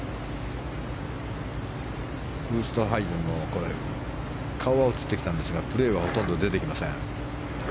ウーストヘイゼンの顔は映ってきたんですがプレーはほとんど出てきません。